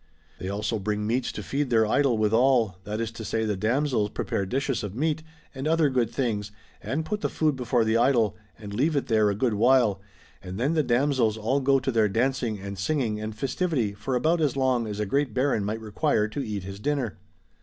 They also bring meats to feed their idol withal, that is to say the damsels prepare dishes of meat and other good things and put the food before the idol, and leave it there a good while, and then the damsels all go to their dancing and singing and festivity for about as long as a great Baron might require to eat his dinner.